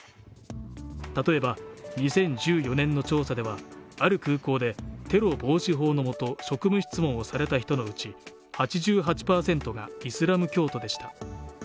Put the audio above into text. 例えば２０１４年の調査ではある空港でテロ防止法の下、職務質問をされた人のうち８８％がイスラム教徒でした。